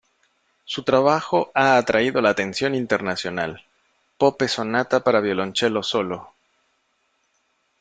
Su trabajo ha atraído la atención internacional: "Pope "Sonata para violonchelo solo"".